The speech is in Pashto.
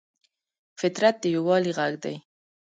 فطرت د یووالي غږ دی.